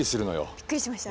びっくりしましたね